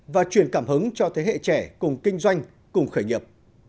và truyền cảm hứng cho thế hệ trẻ cùng kinh doanh cùng khởi nghiệp